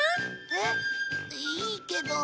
えっいいけど。